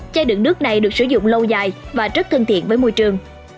chai đựng nước này được sử dụng lâu dài và rất thân thiện với môi trường